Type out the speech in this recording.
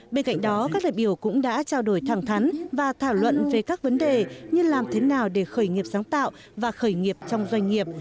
bên cạnh đó các đại biểu cũng đã trao đổi thẳng thắn và thảo luận về các vấn đề như làm thế nào để khởi nghiệp sáng tạo và khởi nghiệp trong doanh nghiệp